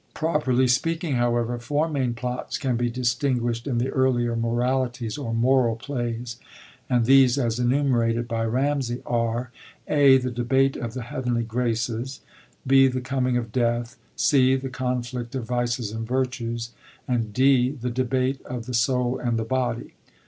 ^ Properly speaking, however, four main plots can be distinguisht in the earlier Moralities or Moral Plays, and these as enumerated by Ramsay, are : (a) the Debate of the Heavenly Graces ; (b) the Coming of Death ; (c) the Conflict of Vices and Virtues ; and (d) the Debate of the Soul and the Body.